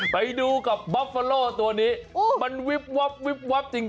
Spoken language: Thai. ไปดูกับบอฟโฟล้อตัวนี้มันวิบวับจริง